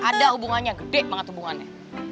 ada hubungannya gede banget hubungannya